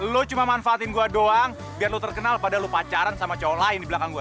lo cuma manfaatin gue doang biar lo terkenal pada lo pacaran sama cowok lain di belakang gue